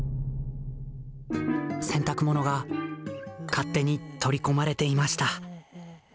洗濯物が勝手に取り込まれていました。